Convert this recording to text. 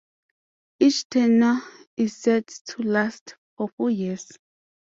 Each tenure is set to last for four years.